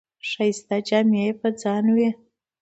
ښایسته جامې یې په ځان وې.